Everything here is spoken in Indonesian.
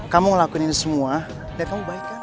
kamu ngelakuin ini semua biar kamu baikan